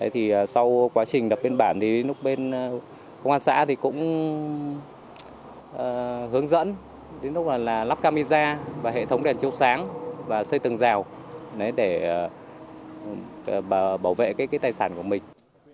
thì sau quá trình đập bên bản thì lúc bên công an xã thì cũng hướng dẫn đến lúc là lắp camera và hệ thống đèn chiếu sáng và xây tường rào để bảo vệ cái tài sản của mình